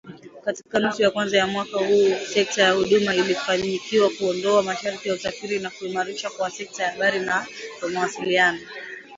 Katika nusu ya kwanza ya mwaka huu, sekta ya huduma ilifanikiwa kuondoa masharti ya usafiri na kuimarishwa kwa sekta ya habari na mawasiliano